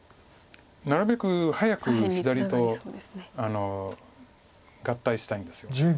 なるべく早く左と合体したいんですよね。